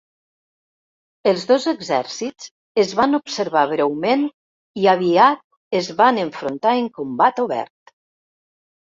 Els dos exèrcits es van observar breument i aviat es van enfrontar en combat obert.